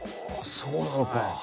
そうなのか。